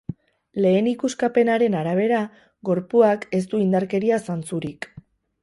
Lehen ikuskapenaren arabera, gorpuak ez du indarkeria zantzurik.